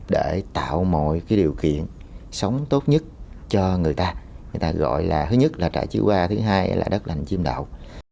để tạo mọi cái điều kiện sống tốt nhất cho người ta người ta gọi là thứ nhất là trải chứa qua thứ hai là đất lành chim đạo